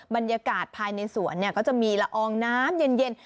บรรยากาศภายในสวนก็จะมีละอองน้ำเย็น